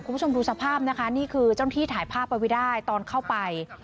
คุณผู้ชมดูสภาพนะคะนี่คือเจ้าหน้าที่ถ่ายภาพเอาไว้ได้ตอนเข้าไป